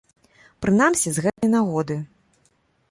Прынамсі, з гэтай нагоды.